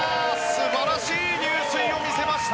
素晴らしい入水を見せました！